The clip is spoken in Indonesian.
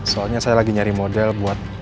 soalnya saya lagi nyari model buat